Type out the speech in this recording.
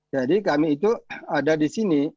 jadi kami itu ada di sini